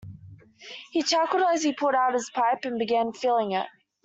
He chuckled as he pulled out his pipe and began filling it.